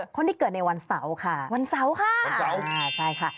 คนที่เกิดในวันเสาร์ค่ะ